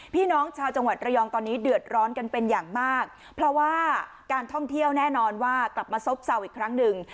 พี่น้องชาวจังหวัดระยองตอนนี้เดือดร้อนกันเป็นอย่างมากเพราะว่าการท่องเที่ยวแน่นอนว่ากลับมาซบเศร้าอีกครั้งหนึ่ง